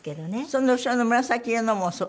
その後ろの紫色のも？